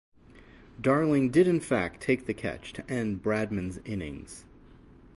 Darling did in fact take the catch to end Bradman's innings.